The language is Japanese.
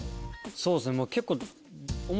そうですね結構。